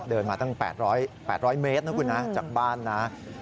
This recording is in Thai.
เดินมาตั้ง๘๐๐เมตรนะคุณนะจากบ้านนะ